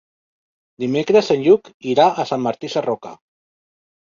Dimecres en Lluc irà a Sant Martí Sarroca.